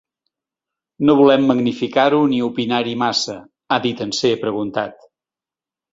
No volem magnificar-ho ni opinar-hi massa, ha dit en ser preguntat.